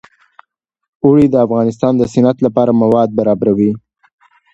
اوړي د افغانستان د صنعت لپاره مواد برابروي.